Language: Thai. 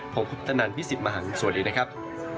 ผมพุทธนันทร์พิศิษฐ์มหังสวัสดีนะครับ